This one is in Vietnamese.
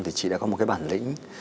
thì chị đã có một cái bản lĩnh